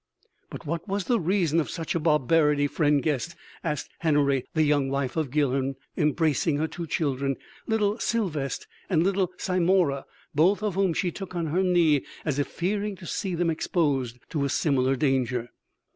"But what was the reason of such a barbarity, friend guest?" asked Henory, the young wife of Guilhern embracing her two children, little Sylvest and little Syomara, both of whom she took on her knees as if fearing to see them exposed to a similar danger.